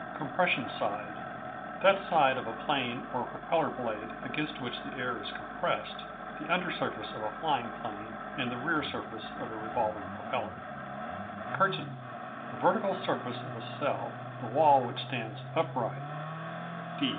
Compression Side That side of a plane or propeller blade against which the air is compressed the under surface of a flying plane, and the rear surface of a revolving propeller. Curtain The vertical surface of a cell the wall which stands upright.